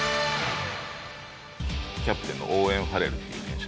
キャプテンのオーウェン・ファレルっていう選手。